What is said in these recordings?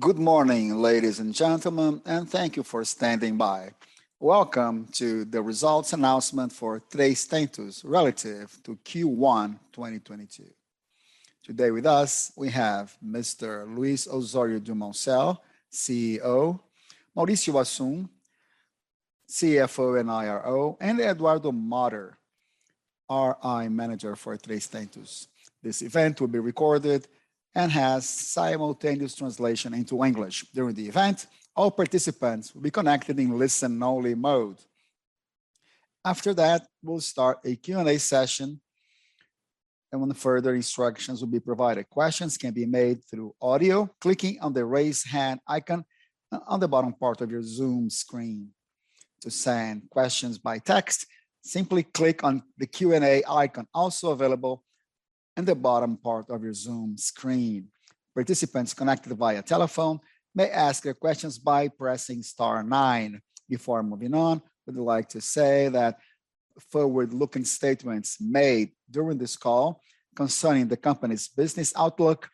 Good morning, ladies and gentlemen, and thank you for standing by. Welcome to the results announcement for Três Tentos relative to Q1 2022. Today with us we have Mr. Luiz Osório Dumoncel, CEO, Mauricio Hasson, CFO and IRO, and Eduardo Motter, RI manager for Três Tentos. This event will be recorded and has simultaneous translation into English. During the event, all participants will be connected in listen-only mode. After that, we'll start a Q&A session and when further instructions will be provided. Questions can be made through audio, clicking on the Raise Hand icon on the bottom part of your Zoom screen. To send questions by text, simply click on the Q&A icon also available in the bottom part of your Zoom screen. Participants connected via telephone may ask their questions by pressing star nine. Before moving on, we'd like to say that forward-looking statements made during this call concerning the company's business outlook,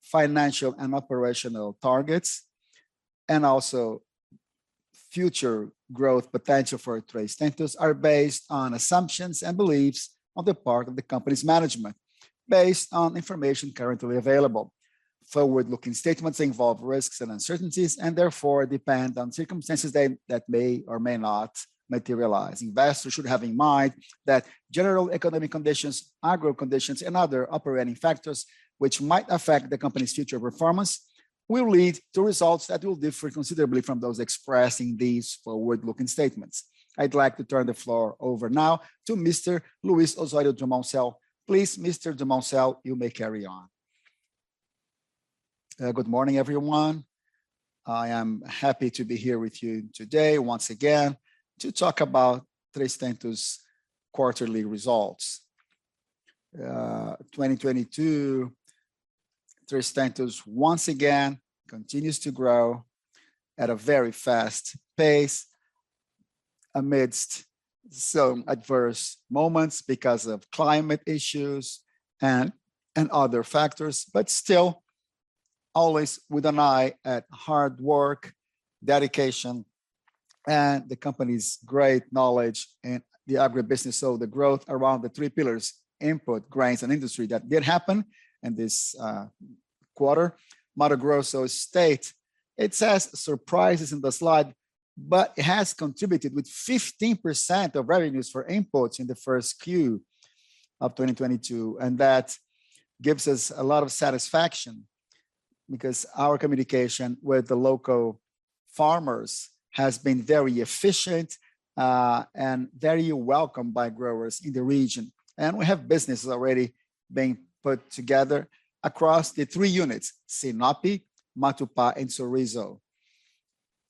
financial and operational targets, and also future growth potential for Três Tentos are based on assumptions and beliefs on the part of the company's management, based on information currently available. Forward-looking statements involve risks and uncertainties and therefore depend on circumstances that may or may not materialize. Investors should have in mind that general economic conditions, agro conditions, and other operating factors which might affect the company's future performance will lead to results that will differ considerably from those expressing these forward-looking statements. I'd like to turn the floor over now to Mr. Luiz Osório Dumoncel. Please, Mr. Dumoncel, you may carry on. Good morning, everyone. I am happy to be here with you today once again to talk about Três Tentos' quarterly results 2022, Três Tentos once again continues to grow at a very fast pace amidst some adverse moments because of climate issues and other factors, but still always with an eye at hard work, dedication, and the company's great knowledge in the agribusiness. The growth around the three pillars, input, grains, and industry that did happen in this quarter. Mato Grosso state, Sorriso is in the slide, but it has contributed with 15% of revenues from inputs in the 1Q of 2022, and that gives us a lot of satisfaction because our communication with the local farmers has been very efficient and very welcome by growers in the region. We have businesses already being put together across the three units, Sinop, Matupá, and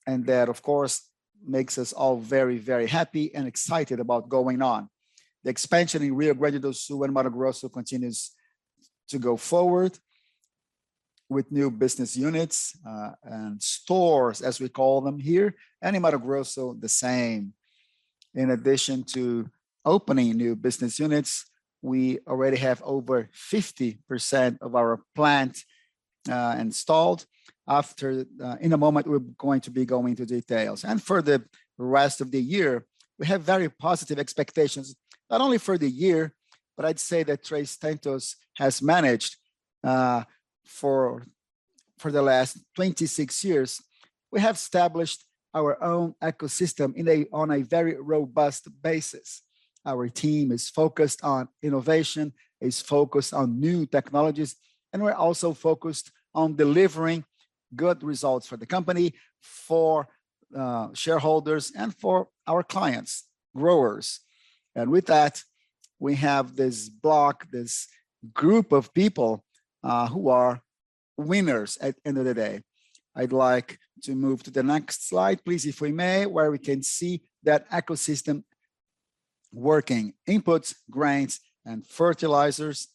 Sorriso. That, of course, makes us all very, very happy and excited about going on. The expansion in Rio Grande do Sul and Mato Grosso continues to go forward with new business units and stores, as we call them here, and in Mato Grosso the same. In addition to opening new business units, we already have over 50% of our plant installed. In a moment we're going to be going into details, and for the rest of the year we have very positive expectations, not only for the year, but I'd say that Três Tentos has managed, for the last 26 years, we have established our own ecosystem on a very robust basis. Our team is focused on innovation, is focused on new technologies, and we're also focused on delivering good results for the company, for shareholders, and for our clients, growers. With that, we have this block, this group of people, who are winners at the end of the day. I'd like to move to the next slide, please, if we may, where we can see that ecosystem working. Inputs, grains, and fertilizers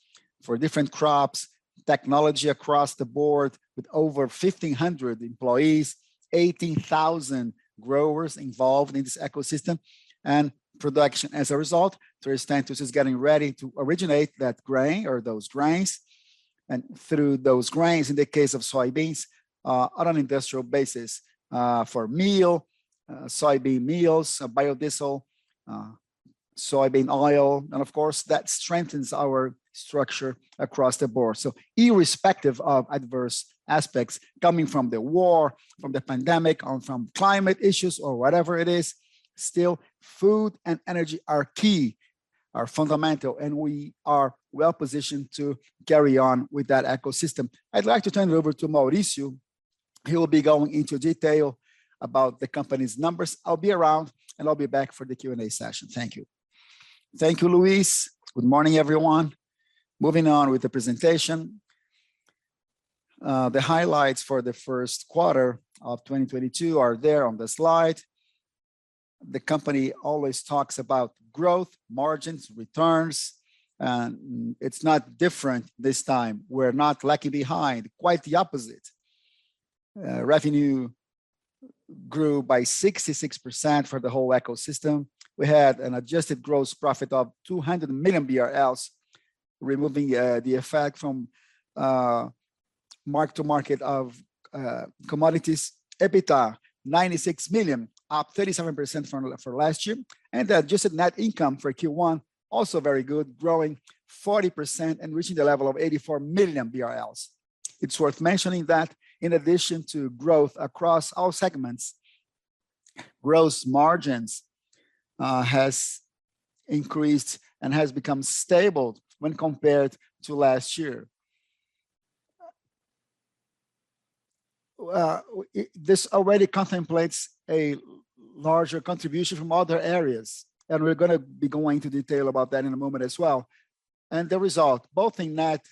for different crops, technology across the board with over 1,500 employees, 80,000 growers involved in this ecosystem. Production as a result, Três Tentos is getting ready to originate that grain or those grains, and through those grains, in the case of soybeans, on an industrial basis, for soybean meal, biodiesel, soybean oil, and of course that strengthens our structure across the board. Irrespective of adverse aspects coming from the war, from the pandemic, or from climate issues or whatever it is, still food and energy are key, are fundamental, and we are well-positioned to carry on with that ecosystem. I'd like to turn it over to Mauricio. He will be going into detail about the company's numbers. I'll be around and I'll be back for the Q&A session. Thank you. Thank you, Luiz. Good morning, everyone. Moving on with the presentation. The highlights for the first quarter of 2022 are there on the slide. The company always talks about growth, margins, returns, and it's no different this time. We're not lagging behind. Quite the opposite. Revenue grew by 66% for the whole ecosystem. We had an adjusted gross profit of 200 million BRL, removing the effect from mark to market of commodities. EBITDA, 96 million, up 37% from last year. Adjusted net income for Q1, also very good, growing 40% and reaching the level of 84 million BRL. It's worth mentioning that in addition to growth across all segments, gross margins has increased and has become stable when compared to last year. This already contemplates a larger contribution from other areas, and we're gonna be going into detail about that in a moment as well. The result, both in net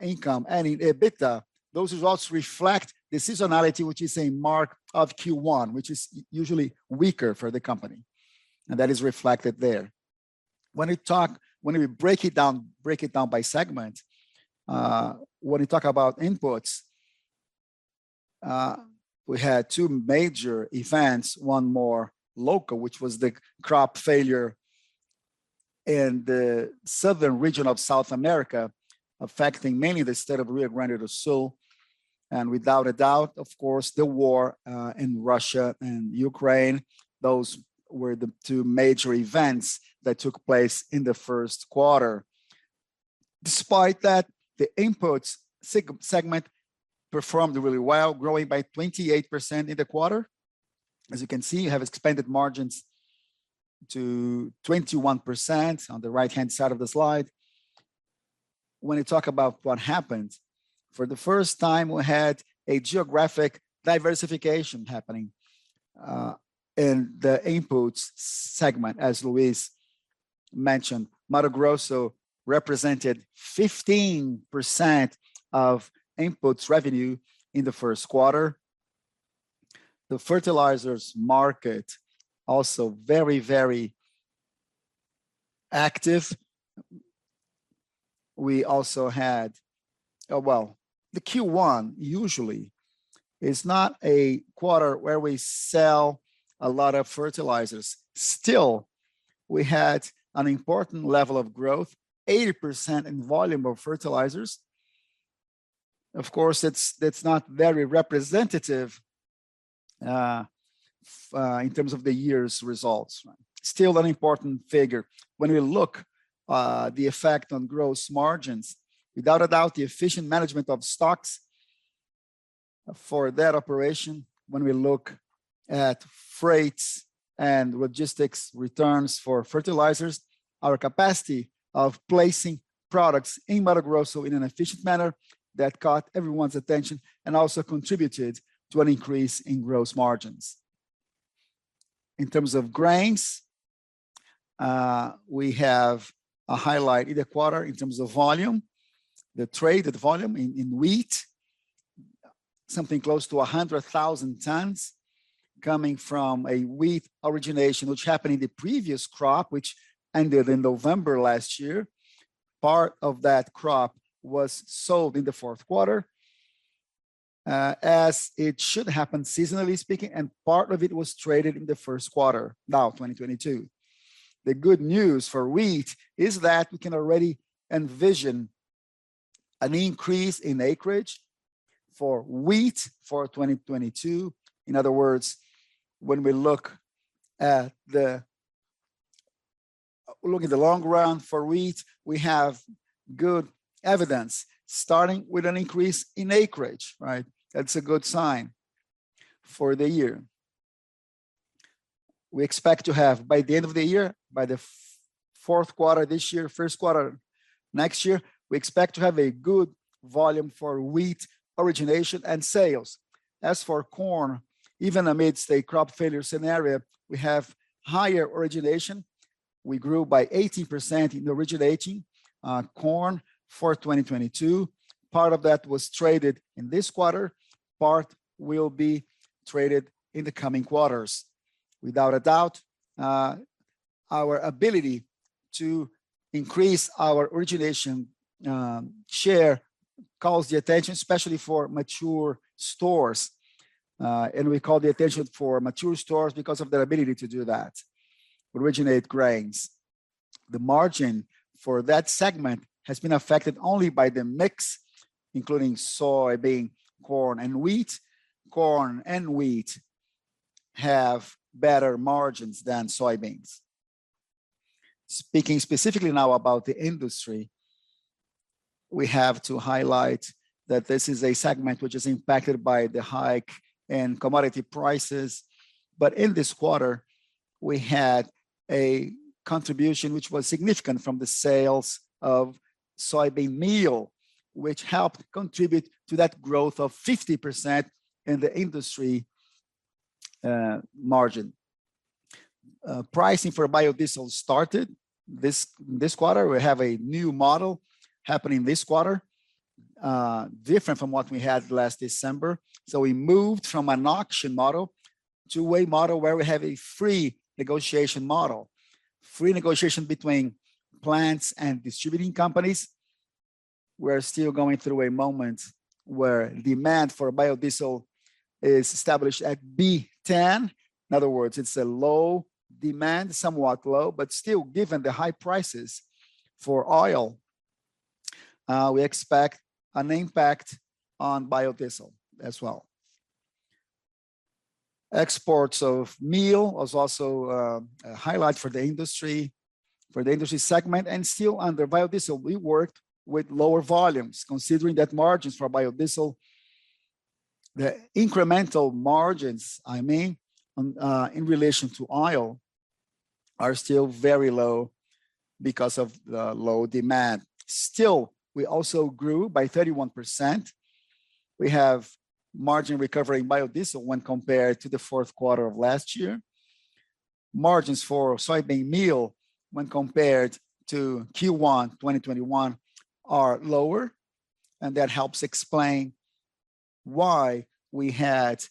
income and in EBITDA, those results reflect the seasonality, which is a mark of Q1, which is usually weaker for the company, and that is reflected there. When we talk. When we break it down by segment, when we talk about inputs, we had two major events, one more local, which was the crop failure in the southern region of South America, affecting mainly the state of Rio Grande do Sul, and without a doubt, of course, the war in Russia and Ukraine. Those were the two major events that took place in the first quarter. Despite that, the inputs segment performed really well, growing by 28% in the quarter. As you can see, have expanded margins to 21% on the right-hand side of the slide. When we talk about what happened, for the first time, we had a geographic diversification happening in the inputs segment. As Luiz mentioned, Mato Grosso represented 15% of inputs revenue in the first quarter. The fertilizers market also very, very active. Well, the Q1 usually is not a quarter where we sell a lot of fertilizers. Still, we had an important level of growth, 80% in volume of fertilizers. Of course, that's not very representative in terms of the year's results. Still an important figure. When we look at the effect on gross margins, without a doubt, the efficient management of stocks for that operation, when we look at freights and logistics returns for fertilizers, our capacity of placing products in Mato Grosso in an efficient manner, that caught everyone's attention and also contributed to an increase in gross margins. In terms of grains, we have a highlight in the quarter in terms of volume. The trade, the volume in wheat, something close to 100,000 tons coming from a wheat origination which happened in the previous crop, which ended in November last year. Part of that crop was sold in the fourth quarter, as it should happen seasonally speaking, and part of it was traded in the first quarter, now 2022. The good news for wheat is that we can already envision an increase in acreage for wheat for 2022. In other words, when we look at the long run for wheat, we have good evidence, starting with an increase in acreage, right? That's a good sign for the year. We expect to have by the end of the year, by the fourth quarter this year, first quarter next year, we expect to have a good volume for wheat origination and sales. As for corn, even amidst a crop failure scenario, we have higher origination. We grew by 80% in originating corn for 2022. Part of that was traded in this quarter, part will be traded in the coming quarters. Without a doubt, our ability to increase our origination share calls the attention, especially for mature stores. We call the attention for mature stores because of their ability to do that, originate grains. The margin for that segment has been affected only by the mix, including soybean, corn, and wheat. Corn and wheat have better margins than soybeans. Speaking specifically now about the industry, we have to highlight that this is a segment which is impacted by the hike in commodity prices. In this quarter, we had a contribution which was significant from the sales of soybean meal, which helped contribute to that growth of 50% in the industry margin. Pricing for biodiesel started this quarter. We have a new model happening this quarter, different from what we had last December. We moved from an auction model to a model where we have a free negotiation model between plants and distributing companies. We're still going through a moment where demand for biodiesel is established at B10. In other words, it's a low demand, somewhat low, but still, given the high prices for oil, we expect an impact on biodiesel as well. Exports of meal was also a highlight for the industry segment. Still under biodiesel, we worked with lower volumes considering that margins for biodiesel, the incremental margins, I mean, on in relation to oil, are still very low because of the low demand. Still, we also grew by 31%. We have margin recovery in biodiesel when compared to the fourth quarter of last year. Margins for soybean meal when compared to Q1 2021 are lower, and that helps explain why we had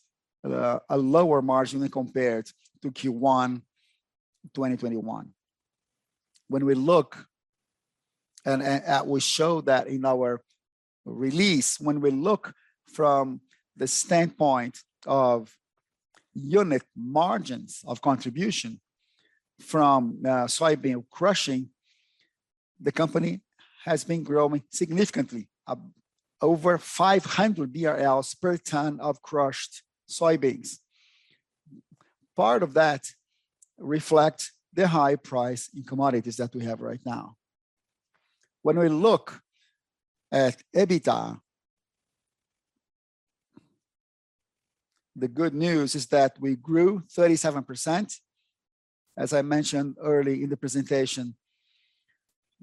a lower margin when compared to Q1 2021. When we look and we show that in our release, when we look from the standpoint of unit margins of contribution from soybean crushing, the company has been growing significantly, over 500 BRL per ton of crushed soybeans. Part of that reflects the high price in commodities that we have right now. When we look at EBITDA, the good news is that we grew 37%. As I mentioned early in the presentation,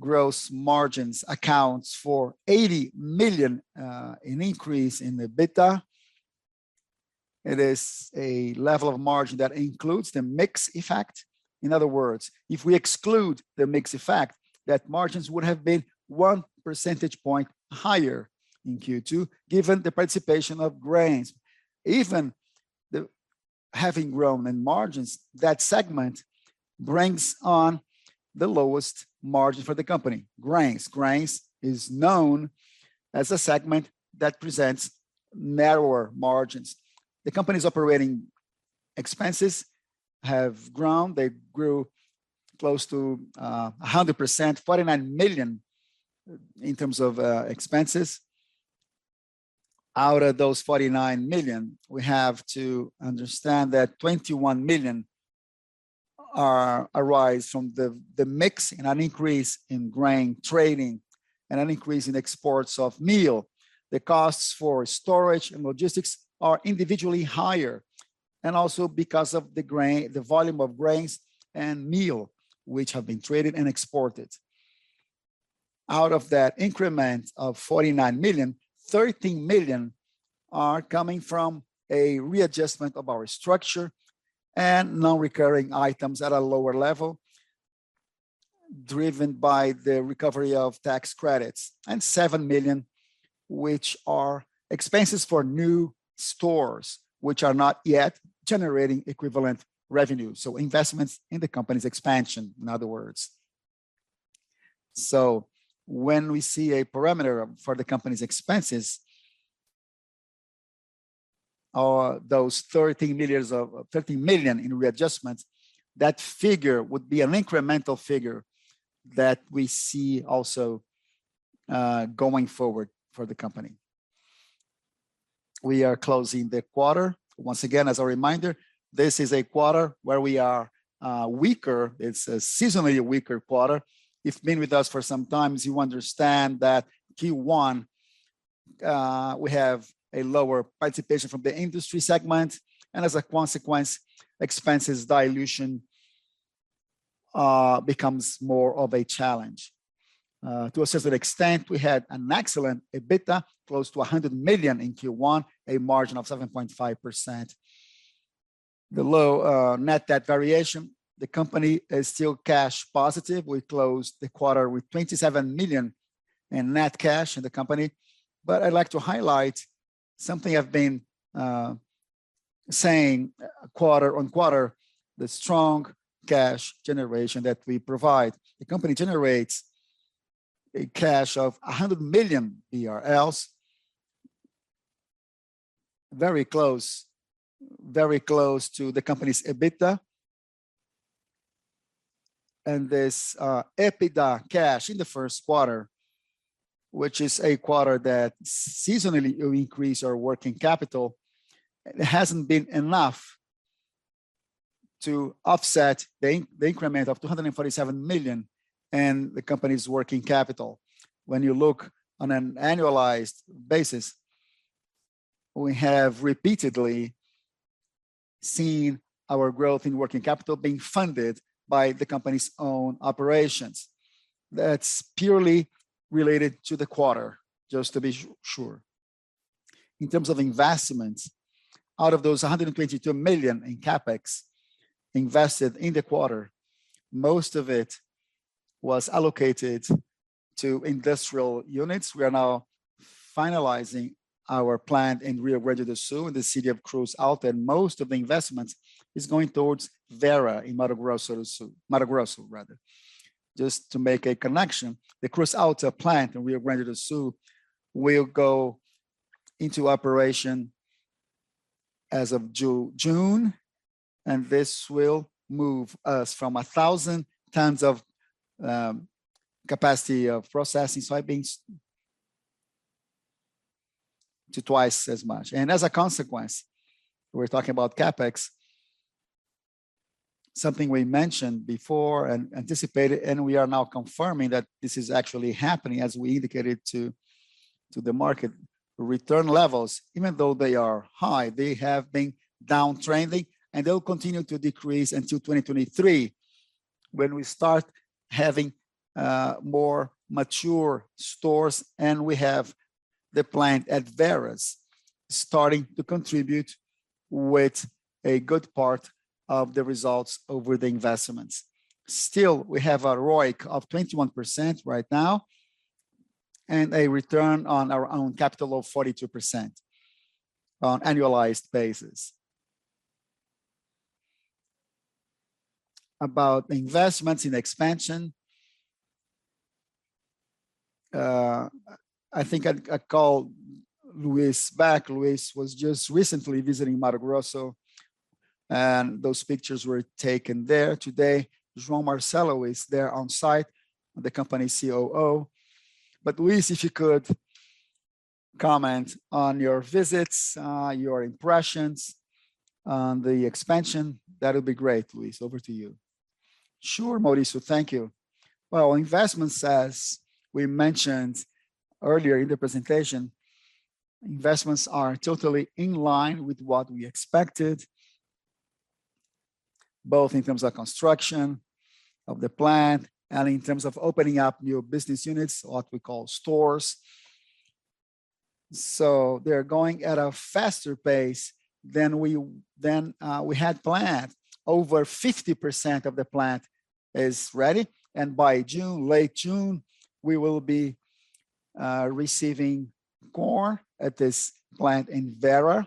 gross margins accounts for 80 million in increase in EBITDA. It is a level of margin that includes the mix effect. In other words, if we exclude the mix effect, that margins would have been one percentage point higher in Q2, given the participation of grains. Having grown in margins, that segment brings on the lowest margin for the company, grains. Grains is known as a segment that presents narrower margins. The company's operating expenses have grown. They grew close to 100%, 49 million in terms of expenses. Out of those 49 million, we have to understand that 21 million arise from the mix and an increase in grain trading and an increase in exports of meal. The costs for storage and logistics are individually higher, and also because of the grain, the volume of grains and meal which have been traded and exported. Out of that increment of 49 million, 13 million are coming from a readjustment of our structure and non-recurring items at a lower level, driven by the recovery of tax credits and 7 million which are expenses for new stores which are not yet generating equivalent revenue, so investments in the company's expansion, in other words. When we see a parameter for the company's expenses, or those 30 million in readjustments, that figure would be an incremental figure that we see also going forward for the company. We are closing the quarter. Once again, as a reminder, this is a quarter where we are weaker. It's a seasonally weaker quarter. If you've been with us for some time, you understand that Q1, we have a lower participation from the industry segment, and as a consequence, expense dilution becomes more of a challenge. To a certain extent, we had an excellent EBITDA, close to 100 million in Q1, a margin of 7.5%. The low net debt variation, the company is still cash positive. We closed the quarter with 27 million in net cash in the company. I'd like to highlight something I've been saying quarter on quarter, the strong cash generation that we provide. The company generates cash of 100 million BRL, very close to the company's EBITDA. This EBITDA cash in the first quarter, which is a quarter that seasonally increase our working capital, it hasn't been enough to offset the increment of 247 million in the company's working capital. When you look on an annualized basis, we have repeatedly seen our growth in working capital being funded by the company's own operations. That's purely related to the quarter, just to be sure. In terms of investments, out of those 122 million in CapEx invested in the quarter, most of it was allocated to industrial units. We are now finalizing our plant in Rio Grande do Sul in the city of Cruz Alta, and most of the investments is going towards Vera in Mato Grosso. Just to make a connection, the Cruz Alta plant in Rio Grande do Sul will go into operation as of June, and this will move us from 1,000 tons of capacity of processing soybeans to twice as much. As a consequence, we're talking about CapEx, something we mentioned before and anticipated, and we are now confirming that this is actually happening as we indicated to the market. Return levels, even though they are high, they have been downtrending, and they'll continue to decrease until 2023 when we start having more mature stores and we have the plant at Vera starting to contribute with a good part of the results over the investments. Still, we have a ROIC of 21% right now and a return on our own capital of 42% on an annualized basis. About investments in expansion, I think I call Luiz back. Luiz was just recently visiting Mato Grosso, and those pictures were taken there today. João Marcelo is there on site, the company COO. Luiz, if you could comment on your visits, your impressions on the expansion, that'll be great, Luiz. Over to you. Sure, Maurício, thank you. Well, investments, as we mentioned earlier in the presentation, investments are totally in line with what we expected, both in terms of construction of the plant and in terms of opening up new business units, what we call stores. They're going at a faster pace than we had planned. Over 50% of the plant is ready, and by June, late June, we will be receiving corn at this plant in Vera,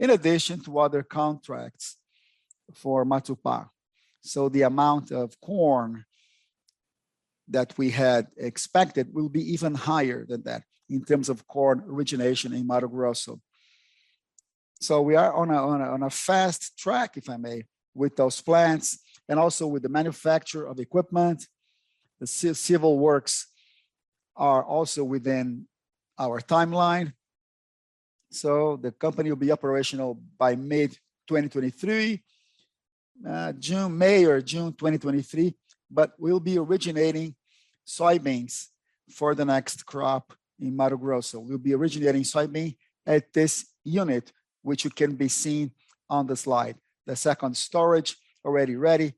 in addition to other contracts for Matupá. The amount of corn that we had expected will be even higher than that in terms of corn origination in Mato Grosso. We are on a fast track, if I may, with those plants and also with the manufacture of equipment. The civil works are also within our timeline, so the company will be operational by mid-2023, May or June 2023. We'll be originating soybeans for the next crop in Mato Grosso. We'll be originating soybean at this unit which can be seen on the slide. The second storage already ready.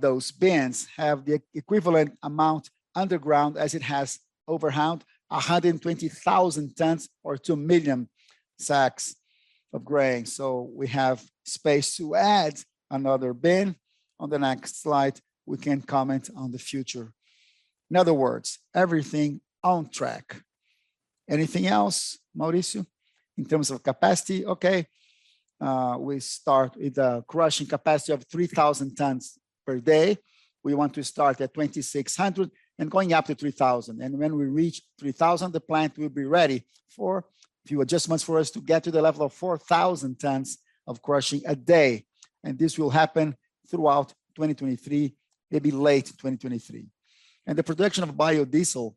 Those bins have the equivalent amount underground as it has above ground, 120,000 tons or 2 million sacks of grain. We have space to add another bin. On the next slide, we can comment on the future. In other words, everything on track. Anything else, Maurício? In terms of capacity, okay, we start with a crushing capacity of 3,000 tons per day. We want to start at 2,600 and going up to 3,000. When we reach 3,000, the plant will be ready for a few adjustments for us to get to the level of 4,000 tons of crushing a day, and this will happen throughout 2023, maybe late 2023. The production of biodiesel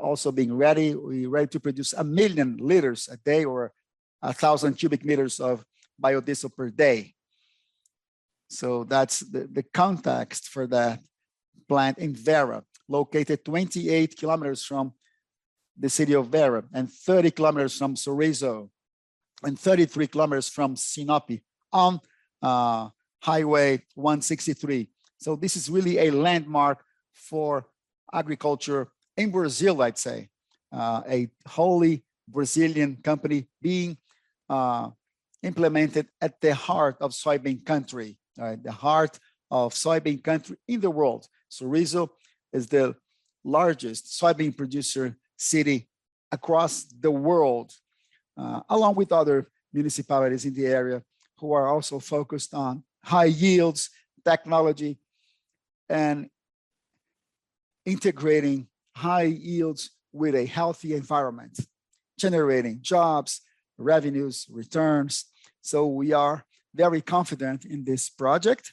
also being ready. We're ready to produce 1,000,000 liters a day or 1,000 cubic liters of biodiesel per day. So that's the context for that plant in Vera, located 28 km from the city of Vera and 30 km from Sorriso, and 33 km from Sinop on BR-163. This is really a landmark for agriculture in Brazil, I'd say. A wholly Brazilian company being implemented at the heart of soybean country. All right? The heart of soybean country in the world. Sorriso is the largest soybean producer city across the world, along with other municipalities in the area who are also focused on high yields, technology and integrating high yields with a healthy environment, generating jobs, revenues, returns. We are very confident in this project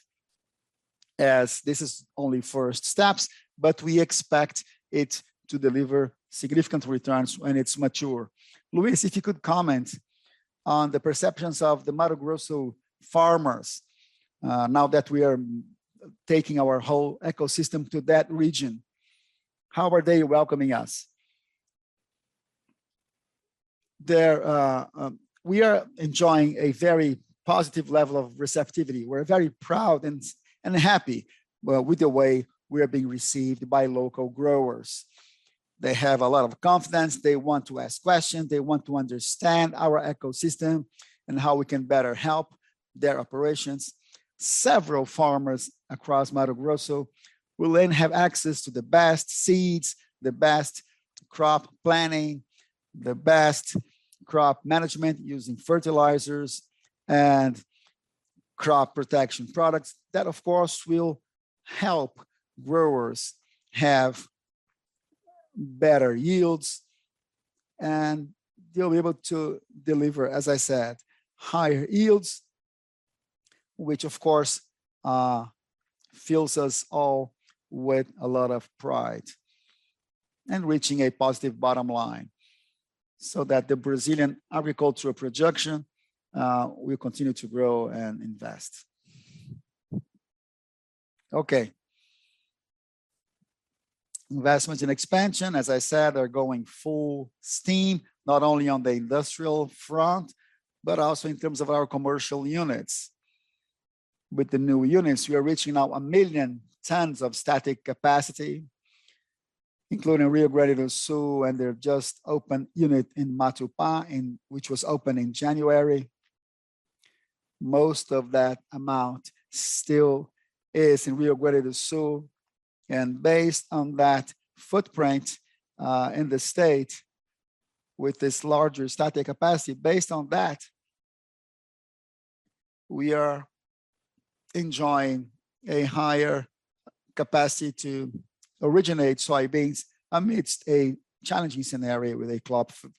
as this is only first steps, but we expect it to deliver significant returns when it's mature. Luiz, if you could comment on the perceptions of the Mato Grosso farmers, now that we are taking our whole ecosystem to that region. How are they welcoming us? We are enjoying a very positive level of receptivity. We're very proud and happy with the way we are being received by local growers. They have a lot of confidence. They want to ask questions. They want to understand our ecosystem and how we can better help their operations. Several farmers across Mato Grosso will then have access to the best seeds, the best crop planning, the best crop management using fertilizers and crop protection products, that of course will help growers have better yields, and they'll be able to deliver, as I said, higher yields, which of course fills us all with a lot of pride, and reaching a positive bottom line so that the Brazilian agricultural production will continue to grow and invest. Okay. Investments and expansion, as I said, are going full steam, not only on the industrial front, but also in terms of our commercial units. With the new units, we are reaching now 1,000,000 tons of storage capacity, including Rio Grande do Sul, and there just opened unit in Matupá, which was opened in January. Most of that amount still is in Rio Grande do Sul, and based on that footprint in the state with this larger storage capacity, based on that, we are enjoying a higher capacity to originate soybeans amidst a challenging scenario with a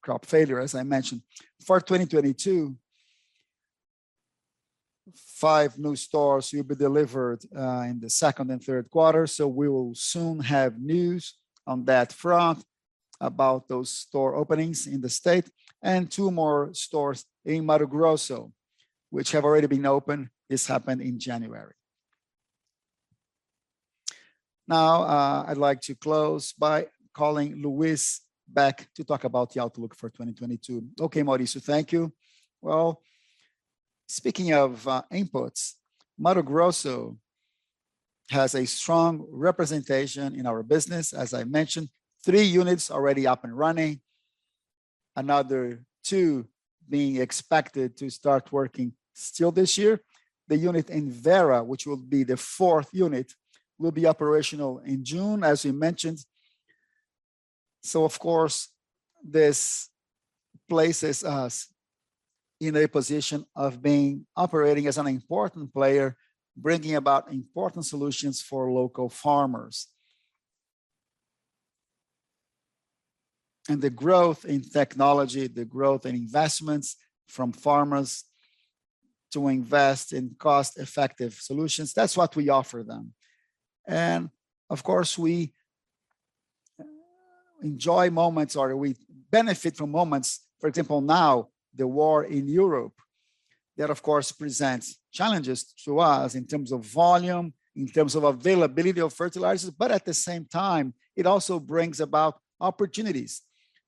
crop failure, as I mentioned. For 2022, five new stores will be delivered in the second and third quarter, so we will soon have news on that front about those store openings in the state, and two more stores in Mato Grosso, which have already been opened. This happened in January. Now, I'd like to close by calling Luiz back to talk about the outlook for 2022. Okay, Mauricio, thank you. Well, speaking of inputs, Mato Grosso has a strong representation in our business. As I mentioned, three units already up and running, another two being expected to start working still this year. The unit in Vera, which will be the fourth unit, will be operational in June, as you mentioned. Of course, this places us in a position of being operating as an important player, bringing about important solutions for local farmers. The growth in technology, the growth in investments from farmers to invest in cost-effective solutions, that's what we offer them. Of course, we enjoy moments or we benefit from moments, for example, now the war in Europe, that of course presents challenges to us in terms of volume, in terms of availability of fertilizers. At the same time, it also brings about opportunities,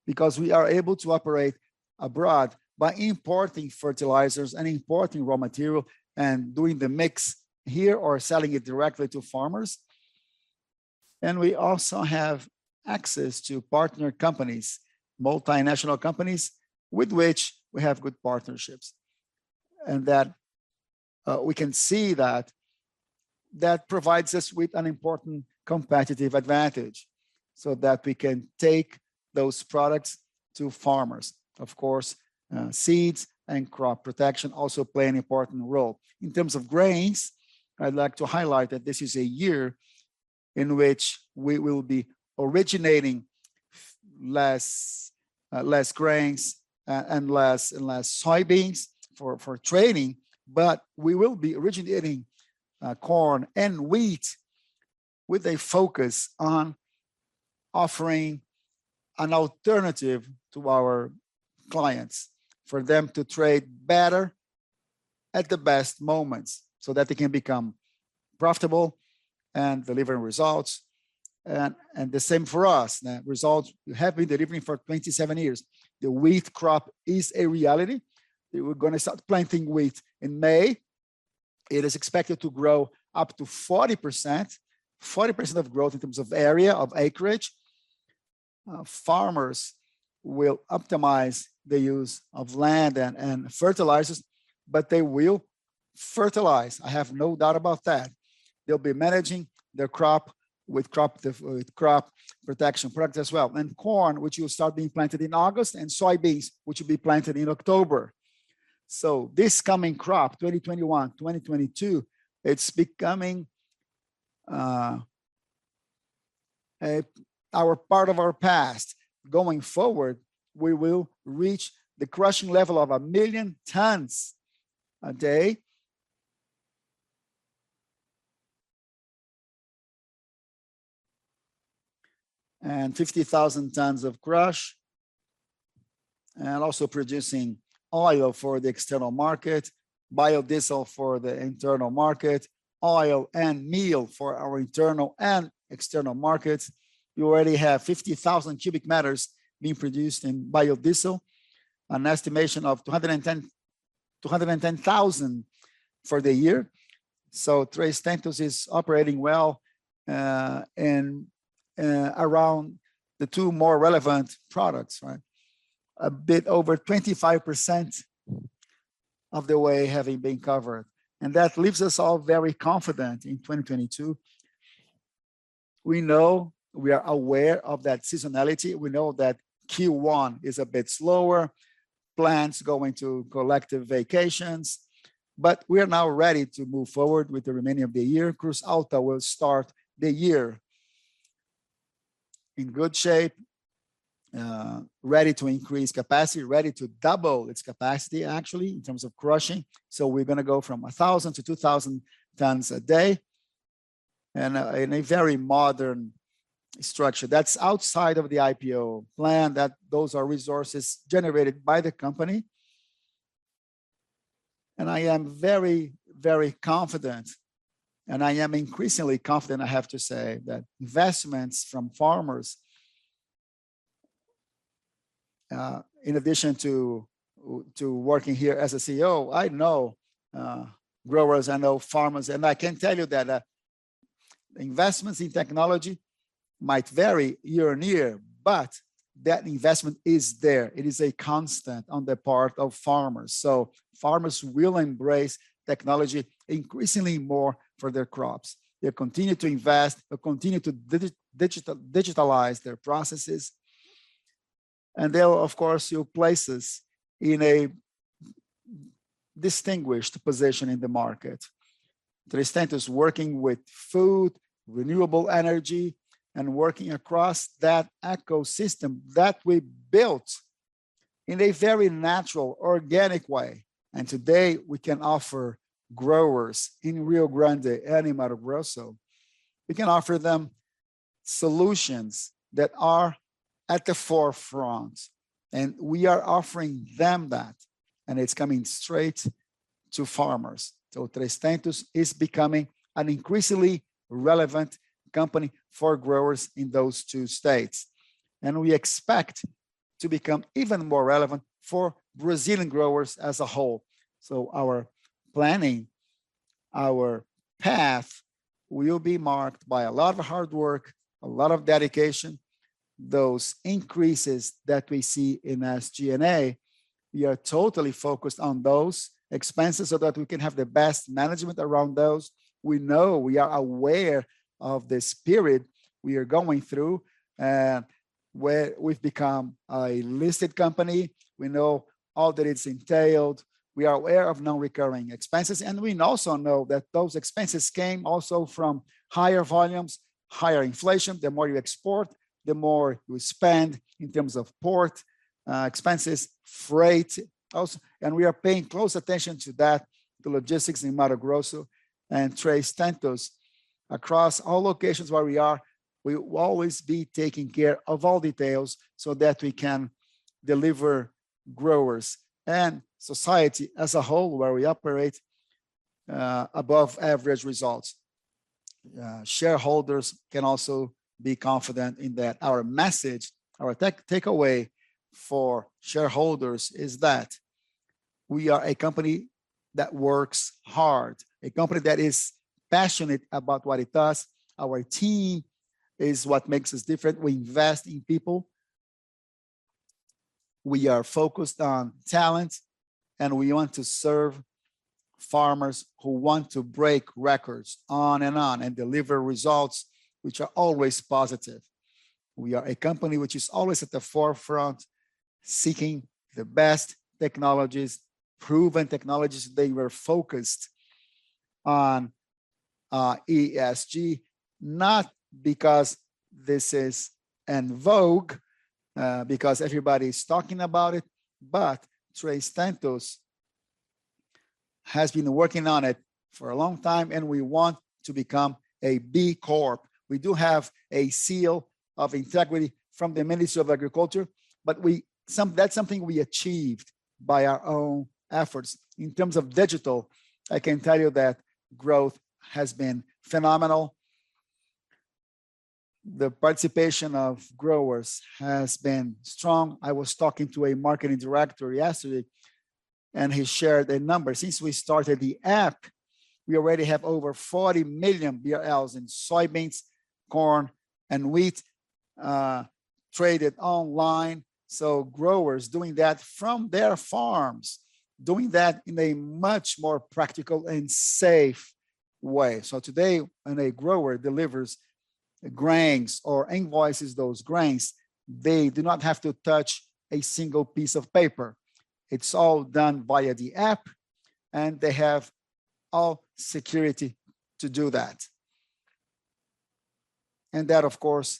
because we are able to operate abroad by importing fertilizers and importing raw material and doing the mix here or selling it directly to farmers. We also have access to partner companies, multinational companies with which we have good partnerships. That we can see that that provides us with an important competitive advantage so that we can take those products to farmers. Of course, seeds and crop protection also play an important role. In terms of grains, I'd like to highlight that this is a year in which we will be originating less grains and less soybeans for trading, but we will be originating corn and wheat with a focus on offering an alternative to our clients for them to trade better at the best moments so that they can become profitable and delivering results. The same for us, the results we have been delivering for 27 years. The wheat crop is a reality. We're gonna start planting wheat in May. It is expected to grow up to 40%. 40% of growth in terms of area, of acreage. Farmers will optimize the use of land and fertilizers, but they will fertilize, I have no doubt about that. They'll be managing their crop with crop protection products as well. Corn, which will start being planted in August, and soybeans, which will be planted in October. This coming crop, 2021-2022, it's becoming our part of our past. Going forward, we will reach the crushing level of 1 million tons a day. 50,000 tons of crush. Also producing oil for the external market, biodiesel for the internal market, oil and meal for our internal and external markets. We already have 50,000 cubic meters being produced in biodiesel, an estimation of 210,000 for the year. Três Tentos is operating well in around the two more relevant products, right? A bit over 25% of the way having been covered, and that leaves us all very confident in 2022. We know, we are aware of that seasonality. We know that Q1 is a bit slower, plants going to collective vacations, but we are now ready to move forward with the remaining of the year. Cruz Alta will start the year in good shape, ready to increase capacity, ready to double its capacity actually in terms of crushing. We're gonna go from 1,000 to 2,000 tons a day in a very modern structure. That's outside of the IPO plan, those are resources generated by the company. I am very, very confident, and I am increasingly confident I have to say, that investments from farmers, in addition to working here as a CEO, I know growers, I know farmers, and I can tell you that investments in technology might vary year on year, but that investment is there. It is a constant on the part of farmers. Farmers will embrace technology increasingly more for their crops. They will continue to invest. They will continue to digitize their processes. They will of course place us in a distinguished position in the market. Três Tentos working with food, renewable energy, and working across that ecosystem that we built in a very natural, organic way. Today we can offer growers in Rio Grande and Mato Grosso, we can offer them solutions that are at the forefront, and we are offering them that, and it's coming straight to farmers. Três Tentos is becoming an increasingly relevant company for growers in those two states, and we expect to become even more relevant for Brazilian growers as a whole. Our planning, our path will be marked by a lot of hard work, a lot of dedication. Those increases that we see in SG&A, we are totally focused on those expenses so that we can have the best management around those. We know, we are aware of this period we are going through, where we've become a listed company. We know all that is entailed. We are aware of non-recurring expenses, and we also know that those expenses came also from higher volumes, higher inflation. The more you export, the more you spend in terms of port, expenses, freight, also. We are paying close attention to that, the logistics in Mato Grosso and Três Tentos across all locations where we are. We will always be taking care of all details so that we can deliver growers and society as a whole where we operate, above average results. Shareholders can also be confident in that our message, our takeaway for shareholders is that we are a company that works hard, a company that is passionate about what it does. Our team is what makes us different. We invest in people. We are focused on talent, and we want to serve farmers who want to break records on and on and deliver results which are always positive. We are a company which is always at the forefront seeking the best technologies, proven technologies. They were focused on ESG, not because this is en vogue, because everybody's talking about it, but Três Tentos has been working on it for a long time, and we want to become a B Corp. We do have a seal of integrity from the Ministry of Agriculture. That's something we achieved by our own efforts. In terms of digital, I can tell you that growth has been phenomenal. The participation of growers has been strong. I was talking to a marketing director yesterday, and he shared a number. Since we started the app, we already have over 40 million in soybeans, corn, and wheat traded online, so growers doing that from their farms, doing that in a much more practical and safe way. Today, when a grower delivers grains or invoices those grains, they do not have to touch a single piece of paper. It's all done via the app, and they have all security to do that. That of course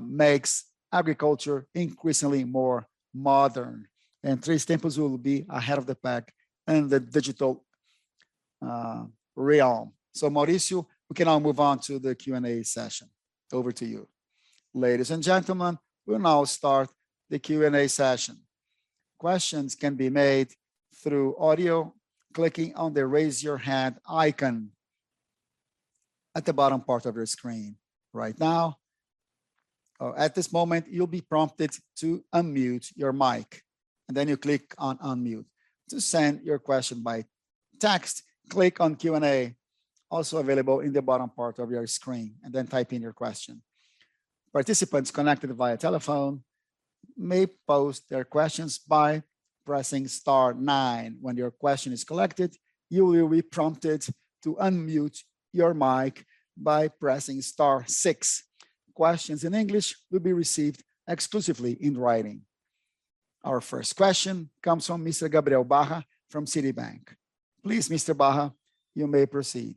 makes agriculture increasingly more modern. Três Tentos will be ahead of the pack in the digital realm. Mauricio, we can now move on to the Q&A session. Over to you. Ladies and gentlemen, we'll now start the Q&A session. Questions can be made through audio, clicking on the Raise Your Hand icon at the bottom part of your screen right now, or at this moment, you'll be prompted to unmute your mic, and then you click on Unmute. To send your question by text, click on Q&A also available in the bottom part of your screen, and then type in your question. Participants connected via telephone may post their questions by pressing star nine. When your question is collected, you will be prompted to unmute your mic by pressing star six. Questions in English will be received exclusively in writing. Our first question comes from Mr. Gabriel Barra from Citi Bank. Please, Mr. Baja, you may proceed.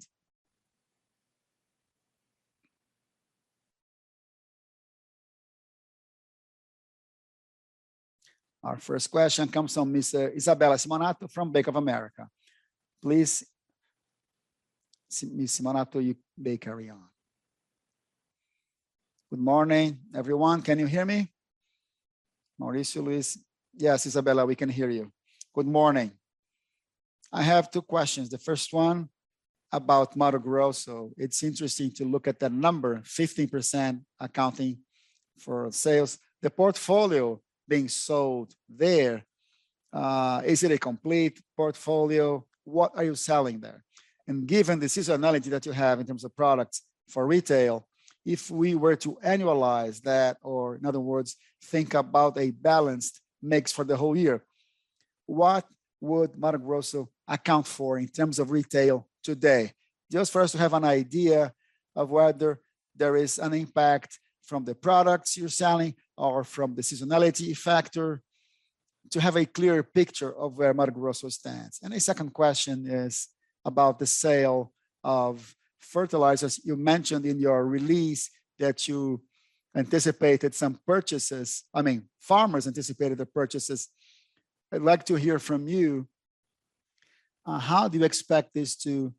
Our first question comes from Ms. Isabella Simonato from Bank of America. Please, Ms. Simonato, you may carry on. Good morning, everyone. Can you hear me? Maurício, Luiz? Yes, Isabella, we can hear you. Good morning. I have two questions. The first one about Mato Grosso. It's interesting to look at that number, 50% accounting for sales. The portfolio being sold there, is it a complete portfolio? What are you selling there? Given the seasonality that you have in terms of products for retail, if we were to annualize that, or in other words, think about a balanced mix for the whole year, what would Mato Grosso account for in terms of retail today? Just for us to have an idea of whether there is an impact from the products you're selling or from the seasonality factor to have a clearer picture of where Mato Grosso stands. A second question is about the sale of fertilizers. You mentioned in your release that you anticipated some purchases, I mean, farmers anticipated the purchases. I'd like to hear from you, how do you expect this to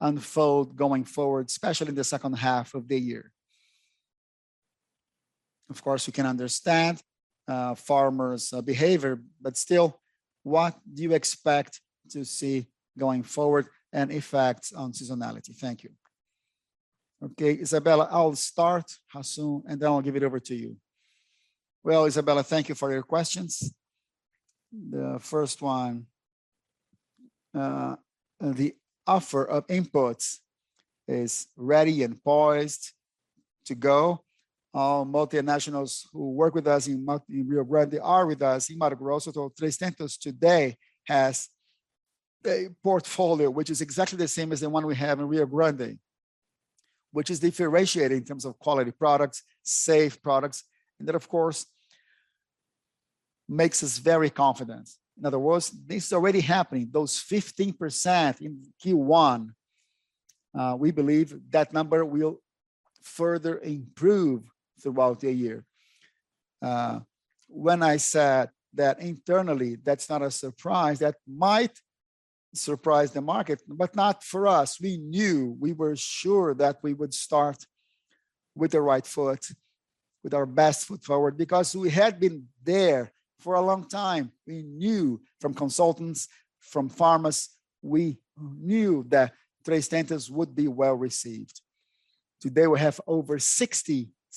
unfold going forward, especially in the second half of the year? Of course, we can understand, farmers' behavior, but still, what do you expect to see going forward and effects on seasonality? Thank you. Okay, Isabella, I'll start, Maurício, and then I'll give it over to you. Well, Isabella, thank you for your questions. The first one, the offer of inputs is ready and poised to go. Our multinationals who work with us in Rio Branco, they are with us. In Mato Grosso do Sul, Três Tentos today has a portfolio which is exactly the same as the one we have in Rio Branco, which is differentiated in terms of quality products, safe products, and that of course makes us very confident. In other words, this is already happening. Those 15% in Q1, we believe that number will further improve throughout the year. When I said that internally, that's not a surprise. That might surprise the market, but not for us. We knew, we were sure that we would start with the right foot, with our best foot forward, because we had been there for a long time. We knew from consultants, from farmers, we knew that Três Tentos would be well-received. Today, we have over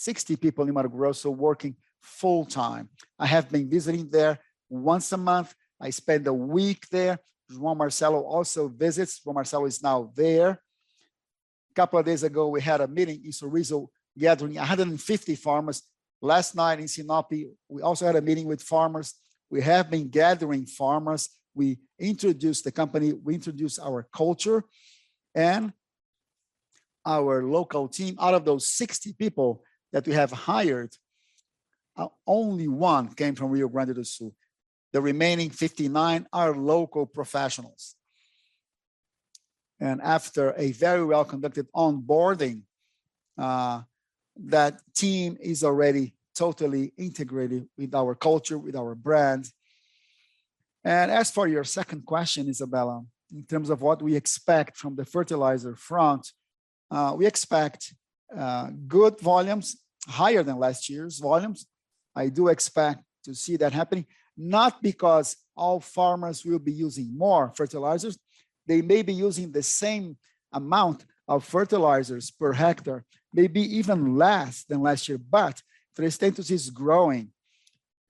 60 people in Mato Grosso working full time. I have been visiting there once a month. I spend a week there. João Marcelo also visits. João Marcelo is now there. A couple of days ago, we had a meeting in Sorriso, gathering 150 farmers. Last night in Sinop, we also had a meeting with farmers. We have been gathering farmers. We introduced the company, we introduced our culture and our local team. Out of those 60 people that we have hired, only one came from Rio Grande do Sul. The remaining 59 are local professionals. After a very well-conducted onboarding, that team is already totally integrated with our culture, with our brand. As for your second question, Isabella, in terms of what we expect from the fertilizer front, we expect good volumes, higher than last year's volumes. I do expect to see that happening, not because all farmers will be using more fertilizers. They may be using the same amount of fertilizers per hectare, maybe even less than last year. Três Tentos is growing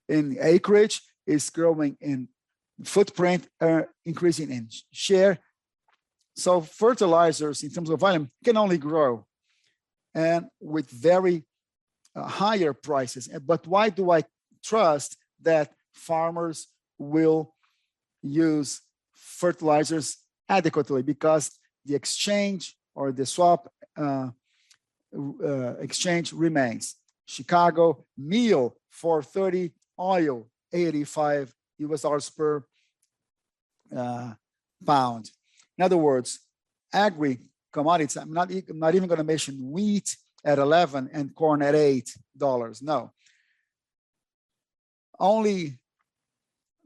in acreage, is growing in footprint, increasing in share. Fertilizers in terms of volume can only grow, and with very higher prices. Why do I trust that farmers will use fertilizers adequately? Because the exchange or the swap, exchange remains. Chicago meal, 430, oil, $85 per pound. In other words, agri commodities, I'm not even gonna mention wheat at 11 and corn at $8. No. Only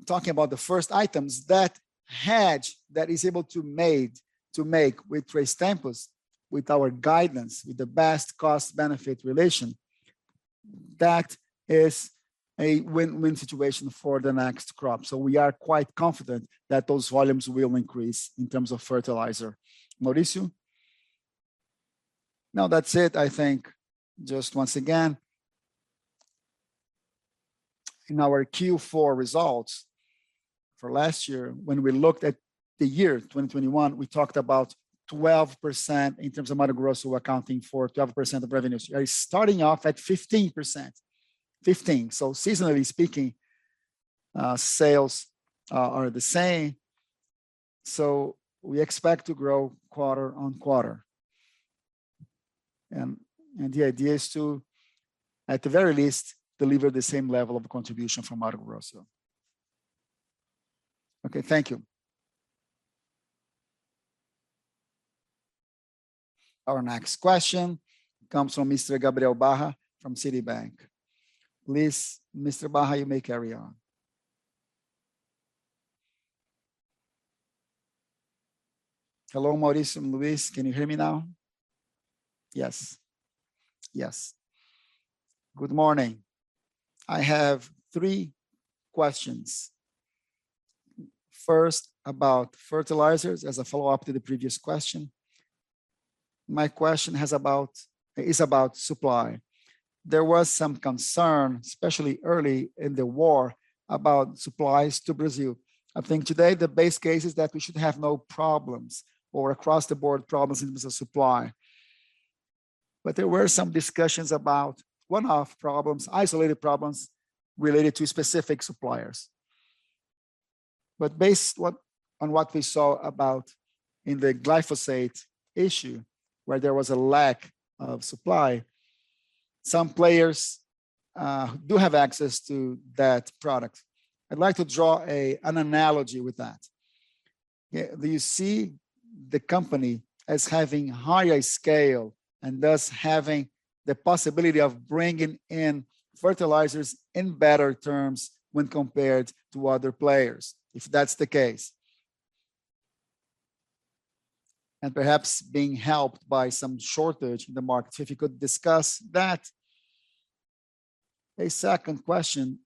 talking about the first items that hedge that is able to made, to make with Três Tentos, with our guidance, with the best cost-benefit relation. That is a win-win situation for the next crop. We are quite confident that those volumes will increase in terms of fertilizer. Mauricio? Now that's it. I think just once again. In our Q4 results for last year, when we looked at the year 2021, we talked about 12% in terms of Mato Grosso accounting for 12% of revenues. It is starting off at 15%, 15. Seasonally speaking, sales are the same. We expect to grow quarter-on-quarter. The idea is to, at the very least, deliver the same level of contribution from Mato Grosso. Okay, thank you. Our next question comes from Mr. Gabriel Barra from Citi Bank. Please, Mr. Baja, you may carry on. Hello, Maurício and Luiz. Can you hear me now? Yes. Yes. Good morning. I have three questions. First, about fertilizers as a follow-up to the previous question. My question is about supply. There was some concern, especially early in the war, about supplies to Brazil. I think today the base case is that we should have no problems or across the board problems in terms of supply. There were some discussions about one-off problems, isolated problems related to specific suppliers. Based on what we saw in the glyphosate issue, where there was a lack of supply, some players do have access to that product. I'd like to draw an analogy with that. Do you see the company as having higher scale and thus having the possibility of bringing in fertilizers in better terms when compared to other players, if that's the case? Perhaps being helped by some shortage in the market. If you could discuss that. A second question,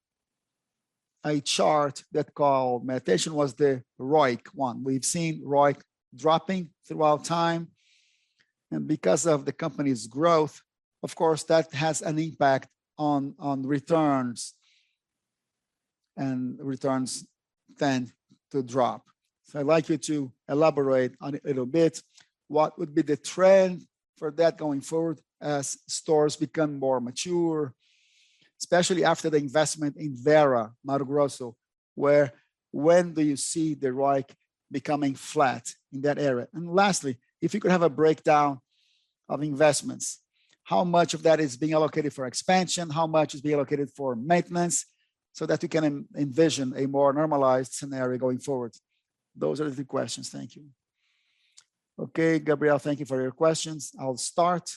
a chart that caught my attention was the ROIC one. We've seen ROIC dropping over time. Because of the company's growth, of course, that has an impact on returns, and returns tend to drop. I'd like you to elaborate on it a little bit. What would be the trend for that going forward as stores become more mature, especially after the investment in Vera, Mato Grosso? When do you see the ROIC becoming flat in that area? Lastly, if you could have a breakdown of investments, how much of that is being allocated for expansion? How much is being allocated for maintenance so that we can envision a more normalized scenario going forward? Those are the questions. Thank you. Okay, Gabriel, thank you for your questions. I'll start,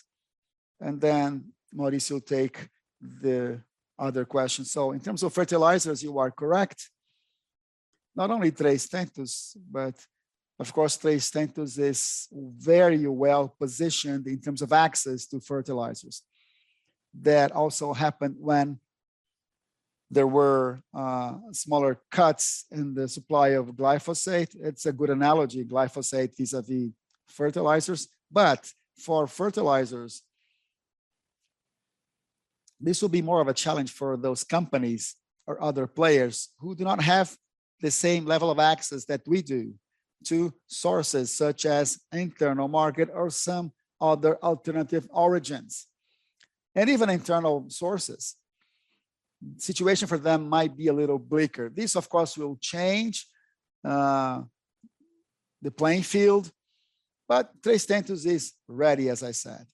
and then Maurício will take the other questions. In terms of fertilizers, you are correct. Not only Três Tentos, but of course, Três Tentos is very well-positioned in terms of access to fertilizers. That also happened when there were smaller cuts in the supply of glyphosate. It's a good analogy. Glyphosate vis-à-vis fertilizers. But for fertilizers, this will be more of a challenge for those companies or other players who do not have the same level of access that we do to sources such as internal market or some other alternative origins and even internal sources. Situation for them might be a little bleaker. This of course will change the playing field, but Três Tentos is ready, as I said.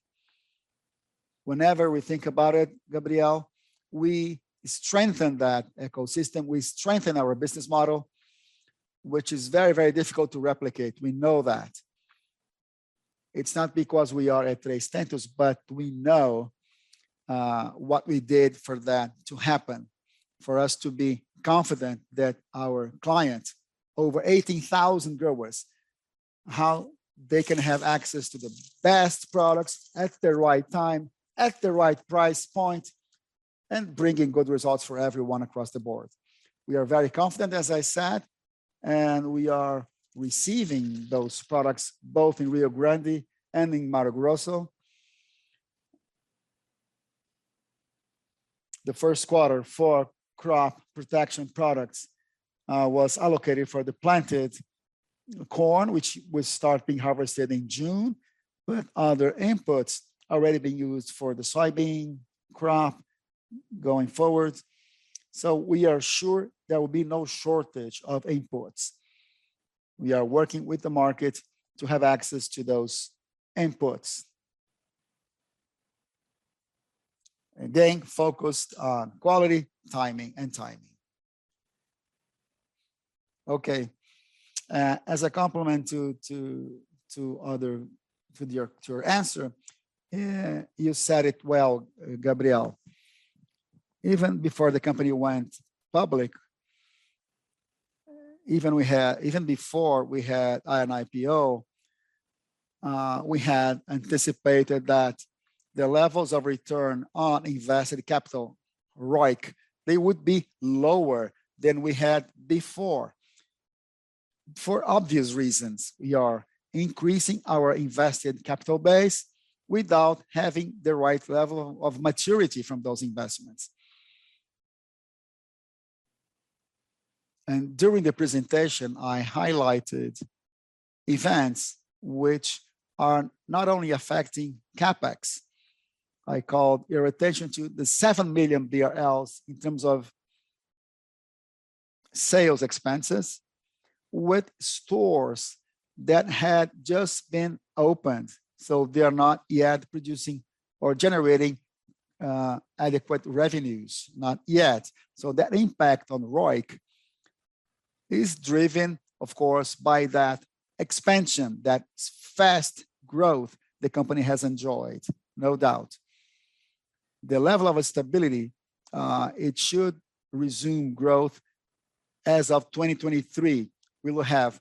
Whenever we think about it, Gabriel, we strengthen that ecosystem, we strengthen our business model, which is very, very difficult to replicate. We know that. It's not because we are at Três Tentos, but we know what we did for that to happen, for us to be confident that our clients, over 80,000 growers, how they can have access to the best products at the right time, at the right price point, and bringing good results for everyone across the board. We are very confident, as I said, and we are receiving those products both in Rio Grande do Sul and in Mato Grosso. The first quarter for crop protection products was allocated for the planted corn, which will start being harvested in June, but other inputs already being used for the soybean crop going forward. We are sure there will be no shortage of inputs. We are working with the market to have access to those inputs. Then focused on quality and timing. Okay. As a complement to your answer, you said it well, Gabriel. Even before the company went public, even before we had an IPO, we had anticipated that the levels of return on invested capital, ROIC, they would be lower than we had before. For obvious reasons, we are increasing our invested capital base without having the right level of maturity from those investments. During the presentation, I highlighted events which are not only affecting CapEx. I called your attention to the 7 million BRL in terms of sales expenses with stores that had just been opened, so they are not yet producing or generating adequate revenues, not yet. That impact on ROIC is driven, of course, by that expansion, that fast growth the company has enjoyed, no doubt. The level of stability, it should resume growth as of 2023. We will have